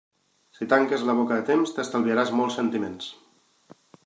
Si tanques la boca a temps, t'estalviaràs molts sentiments.